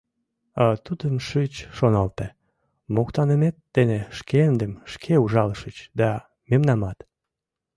А тудым шыч шоналте: моктанымет дене шкендым шке ужалышыч да... мемнамат.